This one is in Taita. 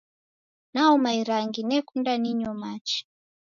Naoma irangi nekunda ninyo machi